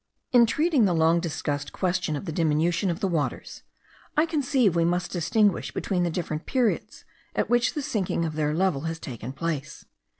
In treating the long discussed question of the diminution of the waters, I conceive we must distinguish between the different periods at which the sinking of their level has taken place.